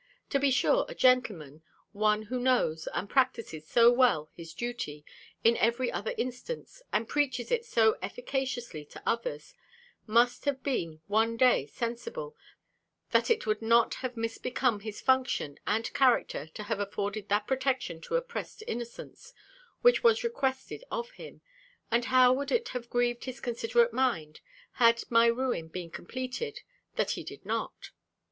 To be sure, a gentleman, one who knows, and practises so well, his duty, in every other instance, and preaches it so efficaciously to others, must have been one day sensible, that it would not have mis become his function and character to have afforded that protection to oppressed innocence, which was requested of him: and how would it have grieved his considerate mind, had my ruin been completed, that he did not!